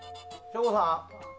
省吾さん！